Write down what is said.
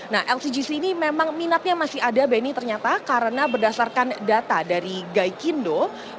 nah lcgc ini memang minatnya masih ada benny ternyata karena berdasarkan data dari gaikindo